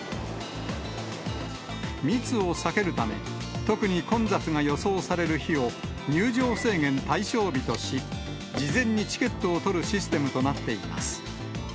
密を避けるため、特に混雑が予想される日を入場制限対象日とし、事前にチケットを取るシステムとなっています。